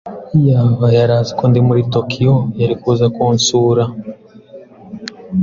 Iyaba yari azi ko ndi muri Tokiyo, yari kuza kunsura.